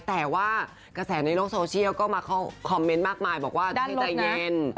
แต่ว่ากระแสในโลกโซเชียลก็มาบอกว่าใจเย็น